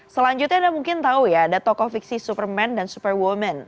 selanjutnya anda mungkin tahu ya ada tokoh fiksi superman dan super women